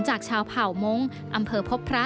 จากชาวเผ่ามงค์อำเภอพบพระ